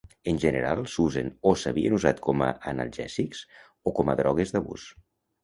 En general, s'usen o s'havien usat com a analgèsics o com a drogues d'abús.